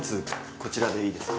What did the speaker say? こちらでいいですか？